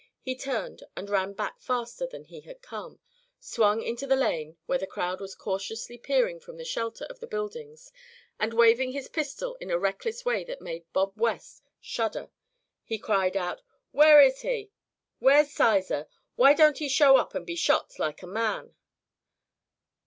He turned and ran back faster than he had come, swung into the lane where the crowd was cautiously peering from the shelter of the buildings, and waving his pistol in a reckless way that made Bob West shudder, he cried out: "Where is he? Where's Sizer? Why don't he show up and be shot, like a man?"